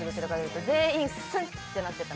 全員スンとなってた。